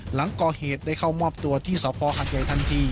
หลังก่อเหตุได้เข้ามอบตัวที่สภหัดใหญ่ทันที